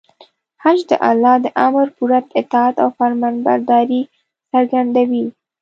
حج د الله د امر پوره اطاعت او فرمانبرداري څرګندوي.